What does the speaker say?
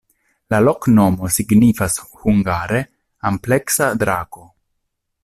La loknomo signifas hungare: ampleksa-drako.